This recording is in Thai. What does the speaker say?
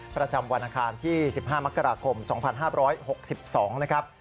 ประจำวันอังคารที่๑๕มกราคม๒๕๖๒นะครับ